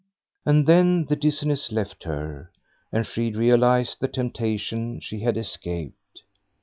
And then the dizziness left her, and she realised the temptation she had escaped.